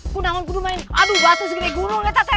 aku nangon kudu main aduh batu segini gulung tante